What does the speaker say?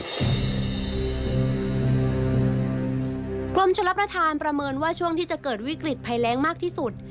กรมชลประธานประเมินว่าช่วงที่จะเกิดวิกฤตภัยแรงมากที่สุด